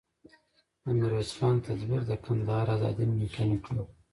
د میرویس خان تدبیر د کندهار ازادي ممکنه کړه.